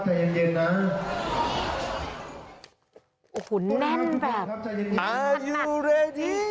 แม่นมัด